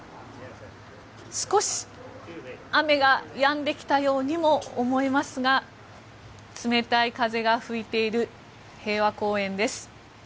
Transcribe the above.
少し雨がやんできたようにも思えますが冷たい風が吹いている平和公園です。